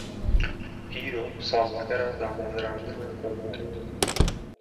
Îro, salvegera damezrandina Komarê ye